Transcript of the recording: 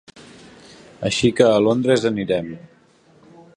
Així que a Londres anirem.